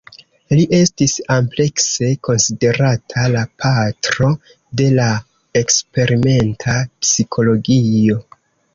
Li estis amplekse konsiderata la "patro de la eksperimenta psikologio".